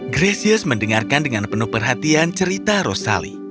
gracius mendengarkan dengan penuh perhatian cerita rosali